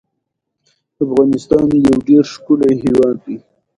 په افغانستان کې زغال د خلکو د ژوند په کیفیت تاثیر کوي.